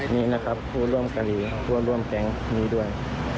นี่นะครับคู่ร่วมกะหรี่คู่ร่วมแกงมีด้วย